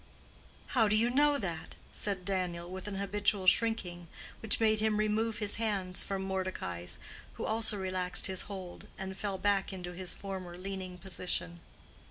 "How do you know that?" said Daniel, with an habitual shrinking which made him remove his hands from Mordecai's, who also relaxed his hold, and fell back into his former leaning position.